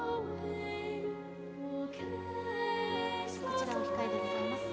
こちらお控えでございます。